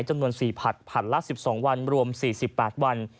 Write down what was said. จำนวน๔ผัดผัดละ๑๒วันรวม๔๘วัน